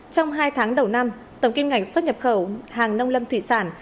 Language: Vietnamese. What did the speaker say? trong hai tháng đầu năm tổng kiếm ngành xuất nhập khẩu hàng nông lâm thuyền sản